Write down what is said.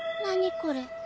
これ。